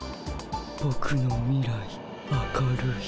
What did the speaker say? ボクの未来明るい。